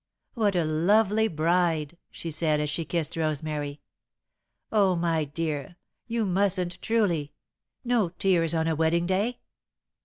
"What a lovely bride," she said, as she kissed Rosemary. "Oh, my dear! You mustn't, truly! No tears on a wedding day!"